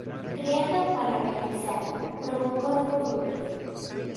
Creada para organizar, provocó rupturas.